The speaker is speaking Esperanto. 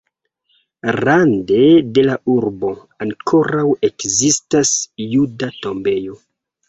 Rande de la urbo ankoraŭ ekzistas juda tombejo.